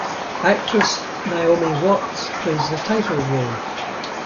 Actress Naomi Watts plays the title role.